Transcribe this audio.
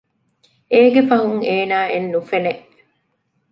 އޭގެ ފަހުން އޭނައެއް ނުފެނެ